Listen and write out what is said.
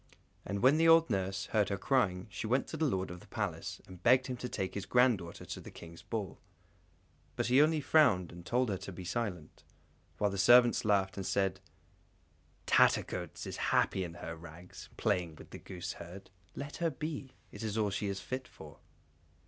And when the old nurse heard her crying she went to the Lord of the Palace, and begged him to take his granddaughter with him to the King's ball. But he only frowned and told her to be silent, while the servants laughed and said: "Tattercoats is happy in her rags, playing with the gooseherd, let her be it is all she is fit for."